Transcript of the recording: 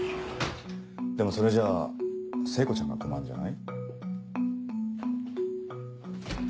でもそれじゃあ聖子ちゃんが困るんじゃない？